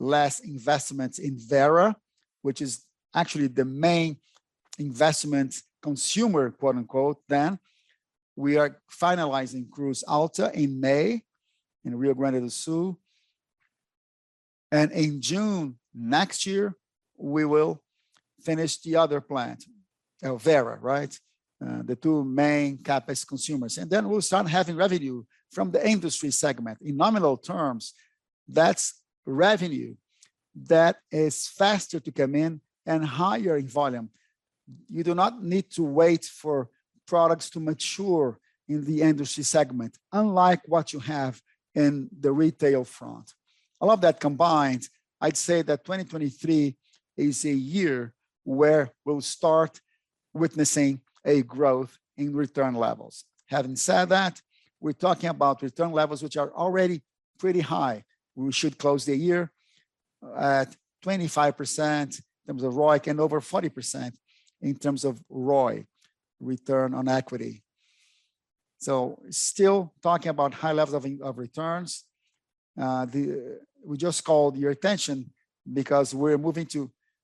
less investments in Vera, which is actually the main investment consumer, quote-unquote, then. We are finalizing Cruz Alta in May in Rio Grande do Sul. In June next year, we will finish the other plant of Vera, right? The two main CapEx consumers. Then we'll start having revenue from the industry segment. In nominal terms, that's revenue that is faster to come in and higher in volume. You do not need to wait for products to mature in the industry segment, unlike what you have in the retail front. All of that combined, I'd say that 2023 is a year where we'll start witnessing a growth in return levels. Having said that, we're talking about return levels which are already pretty high. We should close the year at 25% in terms of ROIC and over 40% in terms of ROE, return on equity. Still talking about high levels of returns. We just called your attention because we're moving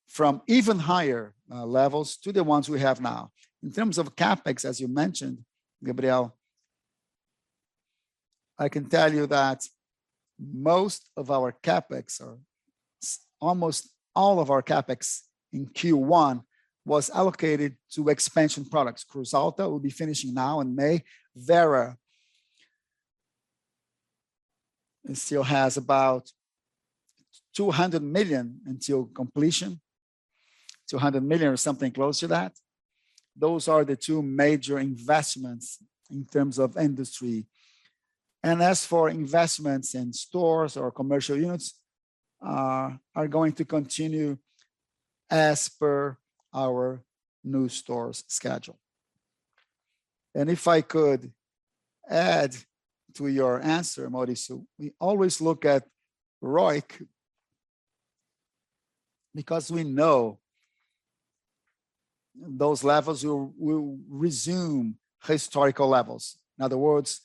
from even higher levels to the ones we have now. In terms of CapEx, as you mentioned, Gabriel, I can tell you that most of our CapEx, almost all of our CapEx in Q1 was allocated to expansion projects. Cruz Alta will be finishing now in May. Vera still has about 200 million until completion, 200 million or something close to that. Those are the two major investments in terms of industry. As for investments in stores or commercial units, are going to continue as per our new stores schedule. If I could add to your answer, Mauricio, we always look at ROIC because we know those levels will resume historical levels. In other words,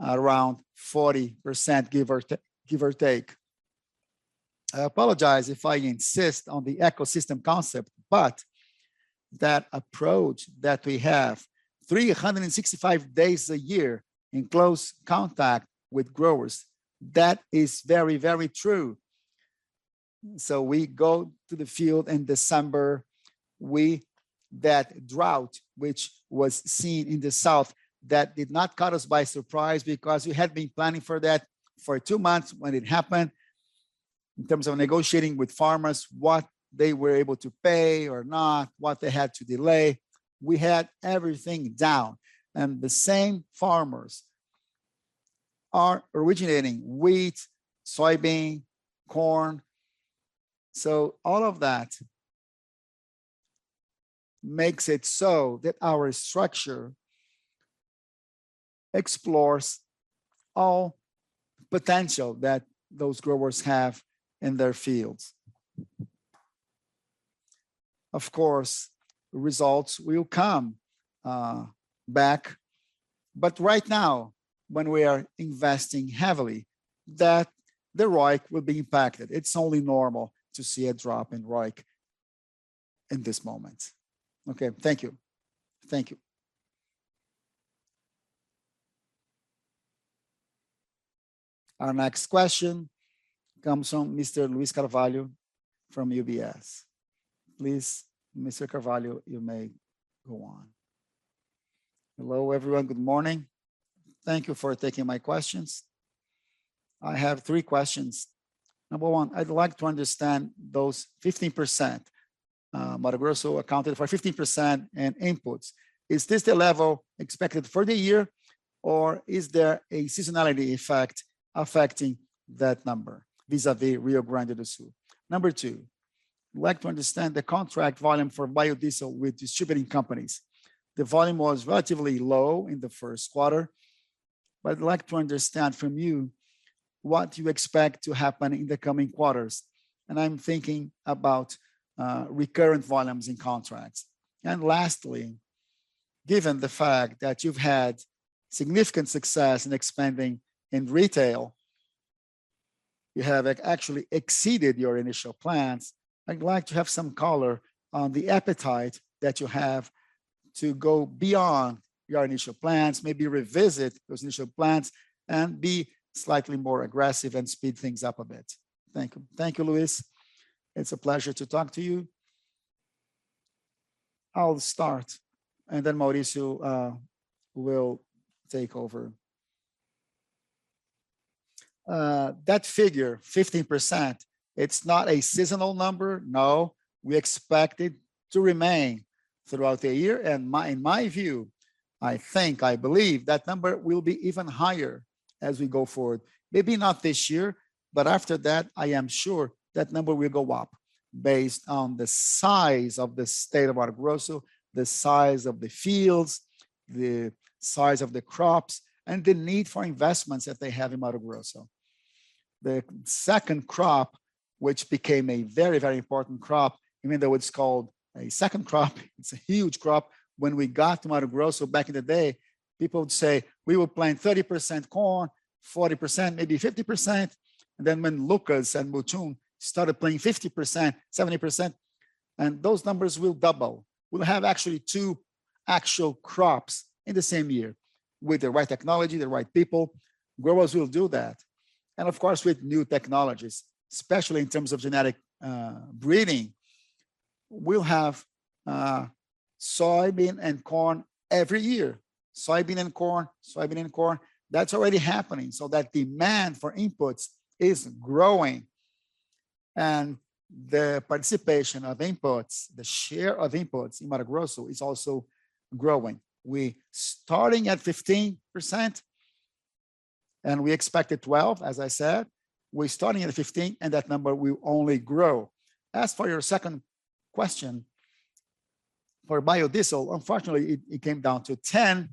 around 40%, give or take. I apologize if I insist on the ecosystem concept, but that approach that we have 365 days a year in close contact with growers, that is very, very true. We go to the field in December. That drought, which was seen in the south, that did not caught us by surprise because we had been planning for that for two months when it happened in terms of negotiating with farmers what they were able to pay or not, what they had to delay. We had everything down, and the same farmers are originating wheat, soybean, corn. All of that makes it so that our structure explores all potential that those growers have in their fields. Of course, results will come back. Right now, when we are investing heavily, that the ROIC will be impacted. It's only normal to see a drop in ROIC in this moment. Okay. Thank you. Thank you. Our next question comes from Mr. Luiz Carvalho from UBS. Please, Mr. Carvalho, you may go on. Hello, everyone. Good morning. Thank you for taking my questions. I have three questions. Number one, I'd like to understand those 15%. Mato Grosso accounted for 15% in inputs. Is this the level expected for the year, or is there a seasonality effect affecting that number vis-à-vis Rio Grande do Sul? Number two, I'd like to understand the contract volume for biodiesel with distributing companies. The volume was relatively low in the first quarter, but I'd like to understand from you what you expect to happen in the coming quarters, and I'm thinking about recurrent volumes in contracts. Lastly, given the fact that you've had significant success in expanding in retail, you have actually exceeded your initial plans. I'd like to have some color on the appetite that you have to go beyond your initial plans, maybe revisit those initial plans and be slightly more aggressive and speed things up a bit. Thank you. Thank you, Luiz. It's a pleasure to talk to you. I'll start, and then Maurício will take over. That figure, 15%, it's not a seasonal number. No, we expect it to remain throughout the year. In my view, I think, I believe that number will be even higher as we go forward. Maybe not this year, but after that, I am sure that number will go up based on the size of the state of Mato Grosso, the size of the fields, the size of the crops, and the need for investments that they have in Mato Grosso. The second crop, which became a very, very important crop, even though it's called a second crop, it's a huge crop. When we got to Mato Grosso back in the day, people would say, "We were planting 30% corn, 40%, maybe 50%." When Lucas and Mutum started planting 50%, 70%, and those numbers will double. We'll have actually two actual crops in the same year. With the right technology, the right people, growers will do that. Of course, with new technologies, especially in terms of genetic, breeding, we'll have, soybean and corn every year. Soybean and corn. That's already happening, so that demand for inputs is growing. The participation of inputs, the share of inputs in Mato Grosso is also growing. We're starting at 15%, and we expected 12, as I said. We're starting at 15, and that number will only grow. As for your second question, for biodiesel, unfortunately, it came down to 10,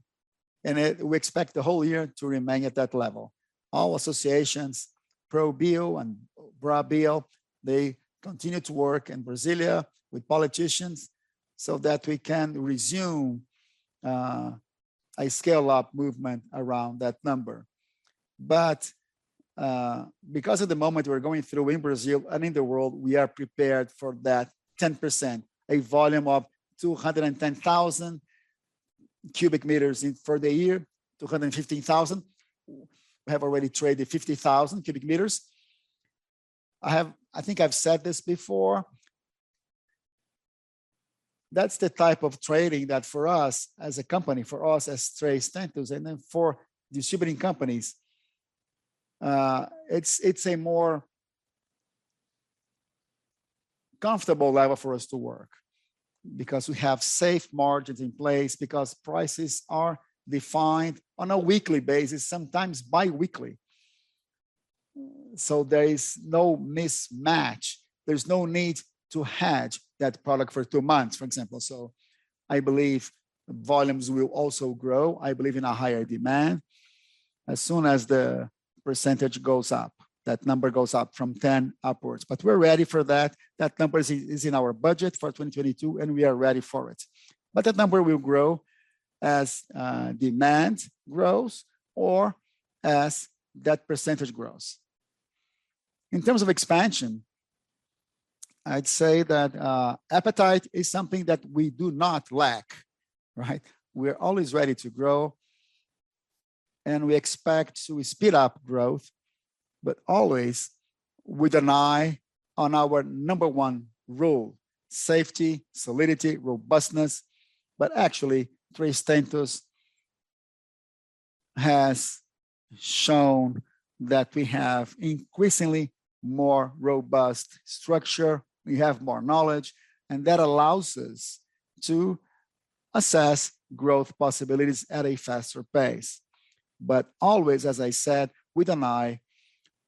and we expect the whole year to remain at that level. All associations, Aprobio and Abiove, they continue to work in Brasília with politicians so that we can resume a scale-up movement around that number. Because of the moment we're going through in Brazil and in the world, we are prepared for that 10%, a volume of 210,000 cubic meters in for the year, 215,000. We have already traded 50,000 cubic meters. I think I've said this before. That's the type of trading that for us as a company, for us as Três Tentos, and then for distributing companies, it's a more comfortable level for us to work because we have safe margins in place, because prices are defined on a weekly basis, sometimes biweekly. There is no mismatch. There's no need to hedge that product for two months, for example. I believe volumes will also grow. I believe in a higher demand as soon as the percentage goes up, that number goes up from 10% upwards. We're ready for that. That number is in our budget for 2022, and we are ready for it. That number will grow as demand grows or as that percentage grows. In terms of expansion, I'd say that, appetite is something that we do not lack, right? We're always ready to grow, and we expect to speed up growth, but always with an eye on our number one rule, safety, solidity, robustness. Actually, Três Tentos has shown that we have increasingly more robust structure, we have more knowledge, and that allows us to assess growth possibilities at a faster pace. Always, as I said, with an eye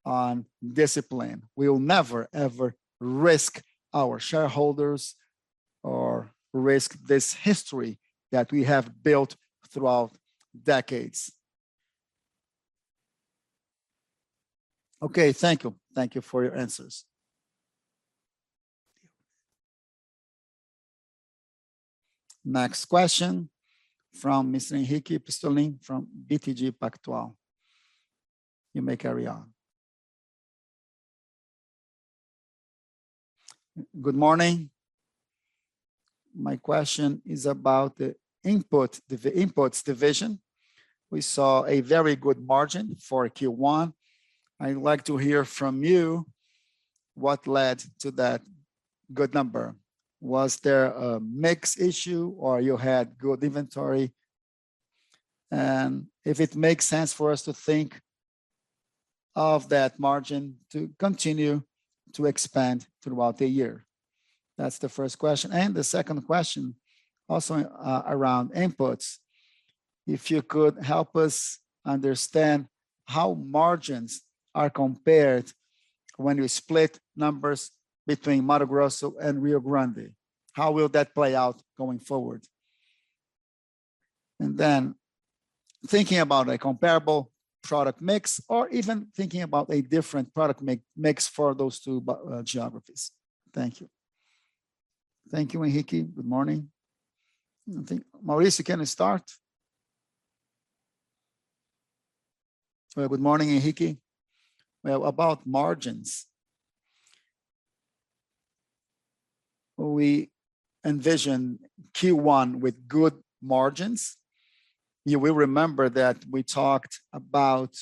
on discipline. We will never, ever risk our shareholders or risk this history that we have built throughout decades. Okay, thank you. Thank you for your answers. Next question from Mr. Henrique Brustolin from BTG Pactual. You may carry on. Good morning. My question is about the inputs division. We saw a very good margin for Q1. I'd like to hear from you what led to that good number. Was there a mix issue or you had good inventory? If it makes sense for us to think of that margin to continue to expand throughout the year. That's the first question. The second question also, around inputs. If you could help us understand how margins are compared when we split numbers between Mato Grosso and Rio Grande. How will that play out going forward? Then thinking about a comparable product mix or even thinking about a different product mix for those two geographies. Thank you. Thank you, Henrique. Good morning. I think, Maurício, can you start? Well, good morning, Henrique. Well, about margins, we envision Q1 with good margins. You will remember that we talked about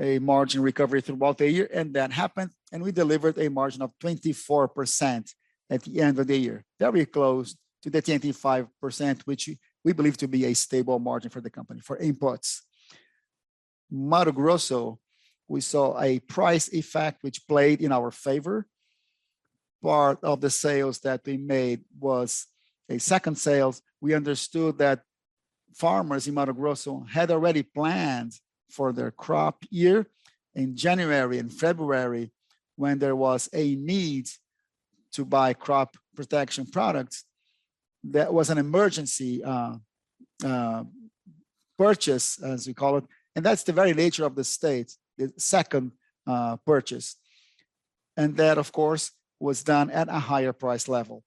a margin recovery throughout the year, and that happened, and we delivered a margin of 24% at the end of the year. That we are close to the 25%, which we believe to be a stable margin for the company for inputs. Mato Grosso, we saw a price effect which played in our favor. Part of the sales that we made was a second sales. We understood that farmers in Mato Grosso had already planned for their crop year in January and February when there was a need to buy crop protection products. That was an emergency purchase, as we call it, and that's the very nature of the state, the second purchase. That, of course, was done at a higher price level.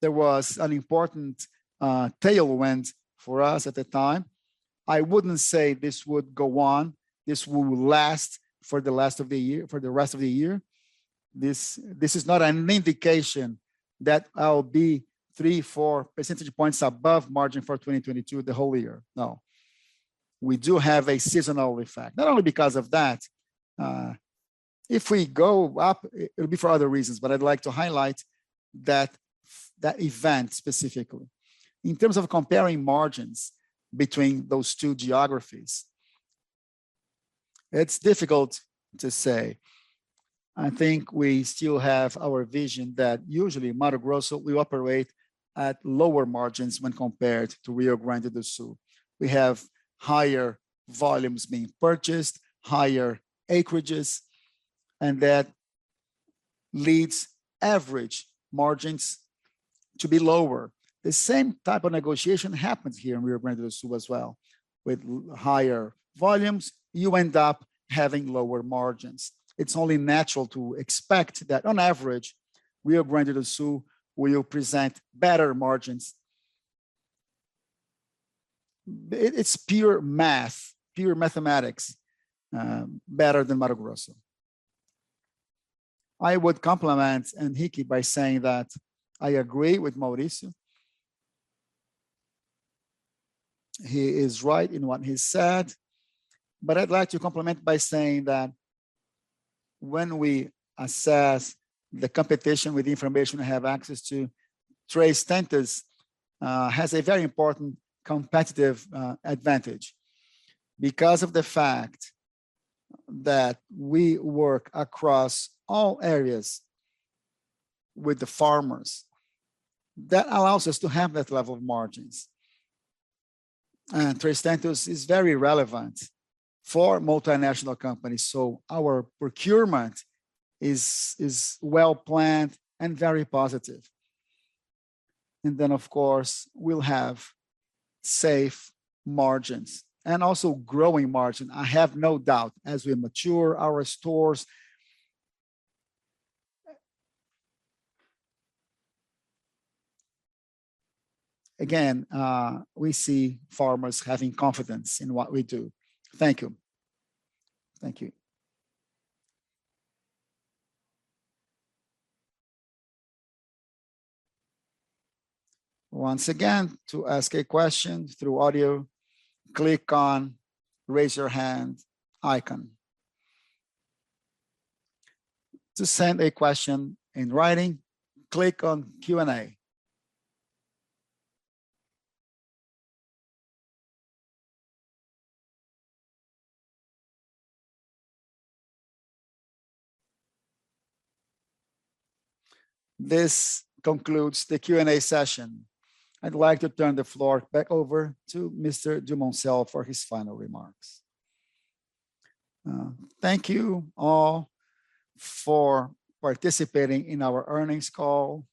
There was an important tailwind for us at the time. I wouldn't say this would go on, this will last for the rest of the year. This is not an indication that I'll be 3-4 percentage points above margin for 2022 the whole year. No. We do have a seasonal effect. Not only because of that, if we go up, it'll be for other reasons, but I'd like to highlight that event specifically. In terms of comparing margins between those two geographies, it's difficult to say. I think we still have our vision that usually Mato Grosso will operate at lower margins when compared to Rio Grande do Sul. We have higher volumes being purchased, higher acreages, and that leads average margins to be lower. The same type of negotiation happens here in Rio Grande do Sul as well. With higher volumes, you end up having lower margins. It's only natural to expect that on average, Rio Grande do Sul will present better margins. It's pure math, pure mathematics, better than Mato Grosso. I would complement Henrique by saying that I agree with Mauricio. He is right in what he said, but I'd like to complement by saying that when we assess the competition with the information we have access to, Três Tentos has a very important competitive advantage because of the fact that we work across all areas with the farmers. That allows us to have that level of margins. Três Tentos is very relevant for multinational companies, so our procurement is well-planned and very positive. Of course, we'll have safe margins and also growing margin, I have no doubt, as we mature our stores. Again, we see farmers having confidence in what we do. Thank you. Thank you. Once again, to ask a question through audio, click on Raise Your Hand icon. To send a question in writing, click on Q&A. This concludes the Q&A session. I'd like to turn the floor back over to Mr. Dumoncel for his final remarks. Thank you all for participating in our earnings call.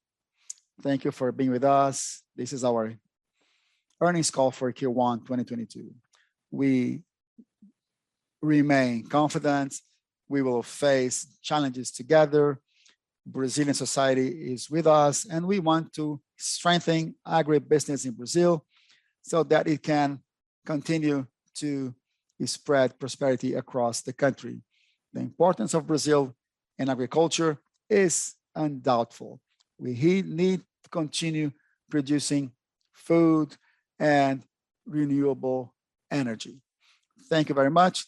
Thank you for being with us. This is our earnings call for Q1 2022. We remain confident we will face challenges together. Brazilian society is with us, and we want to strengthen agribusiness in Brazil so that it can continue to spread prosperity across the country. The importance of Brazil in agriculture is undoubted. We need to continue producing food and renewable energy. Thank you very much,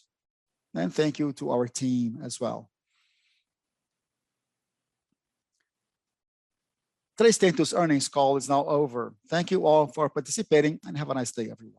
and thank you to our team as well. Três Tentos earnings call is now over. Thank you all for participating, and have a nice day, everyone.